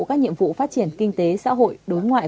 các nhiệm vụ phát triển kinh tế xã hội đối ngoại